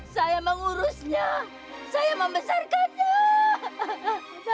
saya mengurusnya saya membesarkannya